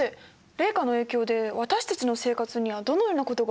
冷夏の影響で私たちの生活にはどのようなことが起きるんですか？